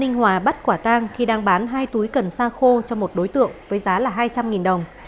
ninh hòa bắt quả tang khi đang bán hai túi cần xa khô cho một đối tượng với giá hai trăm linh đồng